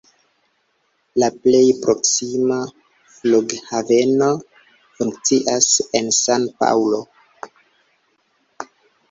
La plej proksima flughaveno funkcias en San-Paŭlo.